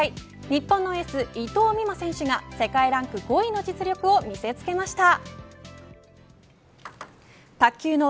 日本のエース伊藤美誠選手が世界ランク５位の実力を見せつけました。